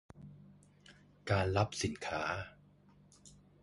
การรับสินค้า